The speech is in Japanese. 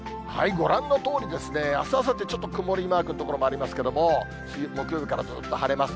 ご覧のとおりですね、あす、あさって、ちょっと曇りマークの所もありますけれども、木曜日からずっと晴れます。